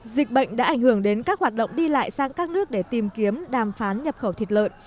dịch bệnh đã ảnh hưởng đến các hoạt động đi lại sang các nước để tìm kiếm đàm phán nhập khẩu thịt lợn